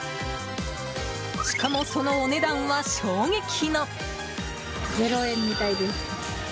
しかも、そのお値段は衝撃の。